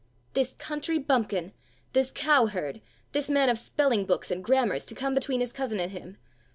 This country bumpkin, this cow herd, this man of spelling books and grammars, to come between his cousin and him!